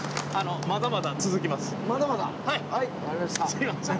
すいません。